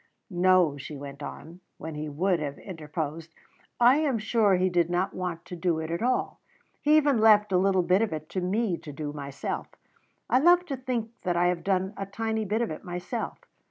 "No," she went on, when he would have interposed; "I am sure He did not want to do it all. He even left a little bit of it to me to do myself. I love to think that I have done a tiny bit of it myself.